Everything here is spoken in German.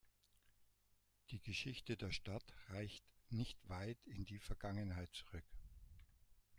Die Geschichte der Stadt reicht nicht weit in die Vergangenheit zurück.